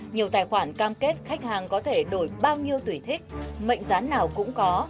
nhiều tài khoản cam kết khách hàng có thể đổi bao nhiêu tùy thích mệnh giá nào cũng có